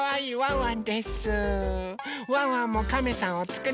ワンワンもカメさんをつくりました！